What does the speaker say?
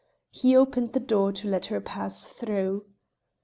He opened the door to let her pass through.